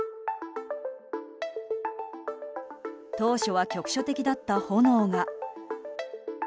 当初は局所的だった炎が。